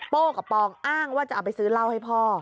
กับปองอ้างว่าจะเอาไปซื้อเหล้าให้พ่อ